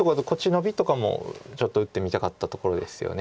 ノビとかもちょっと打ってみたかったところですよね。